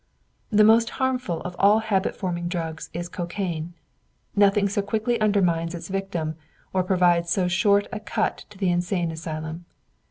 The most harmful of all habit forming drugs is cocaine. Nothing so quickly undermines its victim or provides so short a cut to the insane asylum.